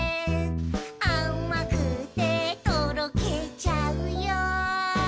「あまくてとろけちゃうよ」